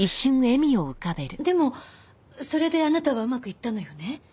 でもそれであなたはうまくいったのよね？